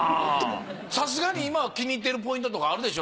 さすがに今は気に入ってるポイントとかあるでしょ？